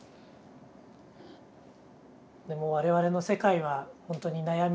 でも我々の世界はほんとに悩みが。